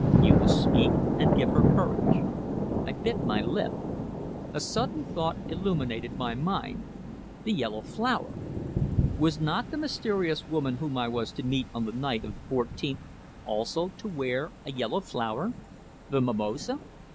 You will speak, and give her courage." I bit my lip. A sudden thought illuminated my mind. The yellow flower! Was not the mysterious woman whom I was to meet on the night of the fourteenth also to wear a yellow flower the mimosa!